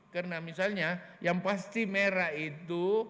karena misalnya yang pasti merah itu